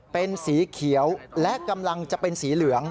เป็นสีเขียวและกำลังจะเป็นสีเหลือง